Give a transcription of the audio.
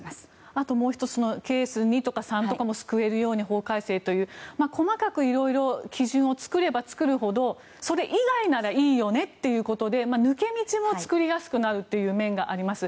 あともう１つケース２とか３とかも救えるように法改正ということで細かく基準を作れば作るほど、それ以外ならいいよねということで抜け道も作りやすくなるということもあります。